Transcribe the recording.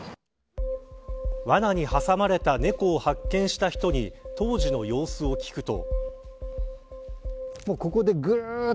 わなに挟まれた猫を発見した人に当時の様子を聞くと。